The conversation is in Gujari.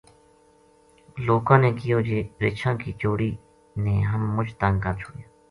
لوکاں نے کیہو جے رچھاں کی جوڑی نے ہم مچ تنگ کر چھڑیا